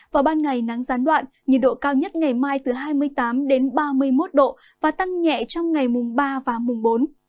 vào ban ngày nắng gián đoạn nhiệt độ cao nhất ngày mai từ hai mươi tám ba mươi một độ và tăng nhẹ trong ngày mùng ba và mùng bốn